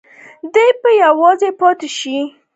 دی به یوازې پاتې شي.